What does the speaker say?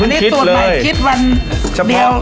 นี่สูตรใหม่คิดวันเดียว